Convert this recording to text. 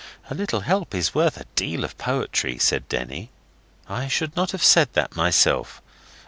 'A little help is worth a deal of poetry,' said Denny. I should not have said that myself.